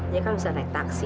dia kan bisa naik taksi